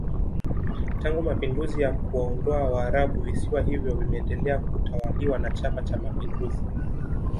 Tangu Mapinduzi ya kuwaondoa waarabu visiwa hivyo vimeendelea kutawaliwa na chama cha mapinduzi